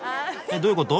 どういうこと？